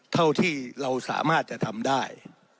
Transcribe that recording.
เท่าที่เราสามารถจะทำได้